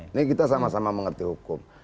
ini kita sama sama mengerti hukum